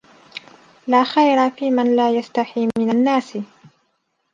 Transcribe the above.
لَا خَيْرَ فِيمَنْ لَا يَسْتَحِي مِنْ النَّاسِ